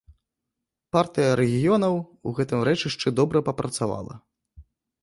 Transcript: Партыя рэгіёнаў у гэтым рэчышчы добра папрацавала.